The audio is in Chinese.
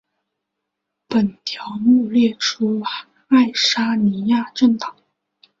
本条目列出爱沙尼亚政党。